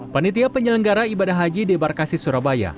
panitia penyelenggara ibadah haji d barkasi surabaya